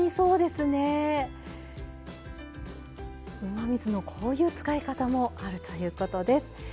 うまみ酢のこういう使い方もあるということです。